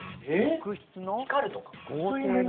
光るとか？